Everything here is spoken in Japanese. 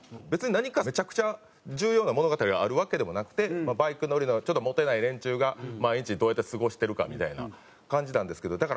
別に何かめちゃくちゃ重要な物語があるわけでもなくてバイク乗りのちょっとモテない連中が毎日どうやって過ごしてるかみたいな感じなんですけど。